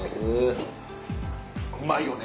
うまいよね。